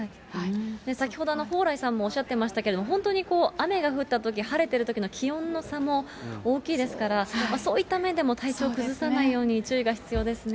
先ほど、蓬莱さんもおっしゃってましたけれども、本当に雨が降ったとき、晴れてるときの気温の差も大きいですから、そういった面でも体調崩さないように注意が必要ですね。